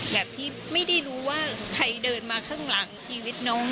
แบบที่ไม่ได้รู้ว่าใครเดินมาข้างหลังชีวิตน้อง